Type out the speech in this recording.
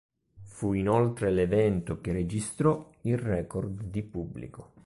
Fu inoltre l'evento che registrò il record di pubblico.